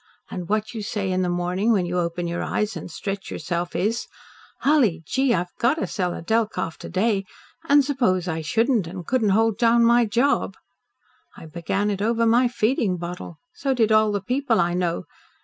And what you say in the morning when you open your eyes and stretch yourself is, 'Hully gee! I've GOT to sell a Delkoff to day, and suppose I shouldn't, and couldn't hold down my job!' I began it over my feeding bottle. So did all the people I know.